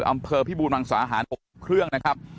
อำเภอพิบูรณ์วังสาหารอบครึ่งนะครับ